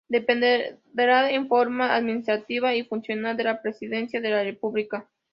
Dependerá en forma administrativa y funcional de la Presidencia de la República.